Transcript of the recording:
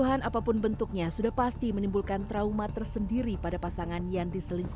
yang satu satunya harus menarik balik